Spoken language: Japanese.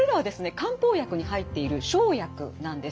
漢方薬に入っている生薬なんです。